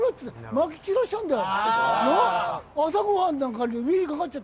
まき散らしちゃうんだよ。